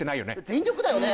全力だよね。